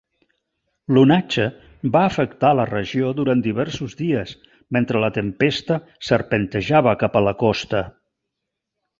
L'onatge va afectar la regió durant diversos dies mentre la tempesta serpentejava cap a la costa.